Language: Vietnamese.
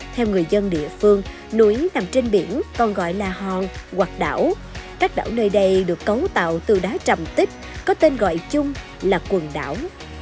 theo người dân địa phương núi nằm trên biển còn gọi là hòn hoặc đảo các đảo nơi đây được cấu tạo từ đá trầm tích có tên gọi chung là quần đảo